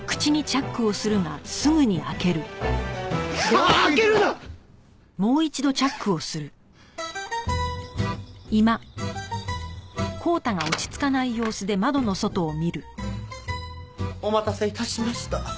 ああっ開けるな！お待たせ致しました。